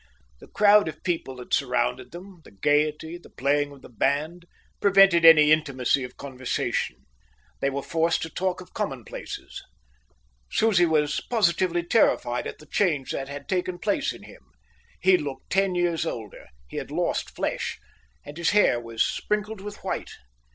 The crowd of people that surrounded them, the gaiety, the playing of the band, prevented any intimacy of conversation. They were forced to talk of commonplaces. Susie was positively terrified at the change that had taken place in him. He looked ten years older; he had lost flesh, and his hair was sprinkled with white.